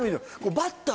バッター